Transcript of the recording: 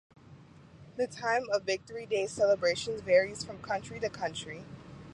The time of Victory Day celebrations varies from country to country.